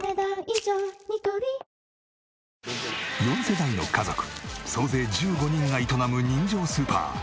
４世帯の家族総勢１５人が営む人情スーパー。